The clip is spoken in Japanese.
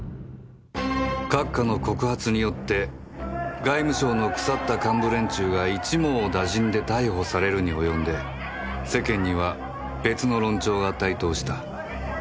閣下の告発によって外務省の腐った幹部連中が一網打尽で逮捕されるに及んで世間には別の論調が台頭した